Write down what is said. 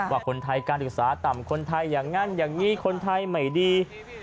ว่าคนไทยการศึกษาต่ำคนไทยอย่างนั้นอย่างนี้คนไทยไม่ดี